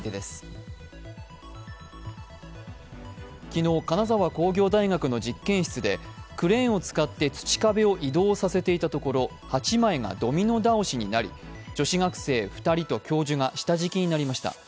昨日、金沢工業大学の実験室でクレーンを使って土壁を移動させていたところ、８枚がドミノ倒しになり女子学生２人と教授が下敷きになりました。